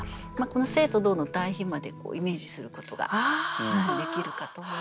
静と動の対比までイメージすることができるかと思います。